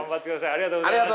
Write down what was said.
ありがとうございます！